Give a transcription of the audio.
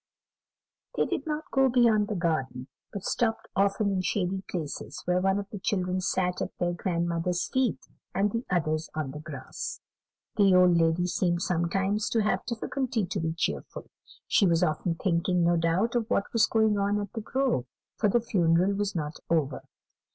They did not go beyond the garden, but stopped often in shady places, where one of the children sat at their grandmother's feet, and the others on the grass. The old lady seemed sometimes to have difficulty to be cheerful. She was often thinking, no doubt, of what was going on at The Grove, for the funeral was not over.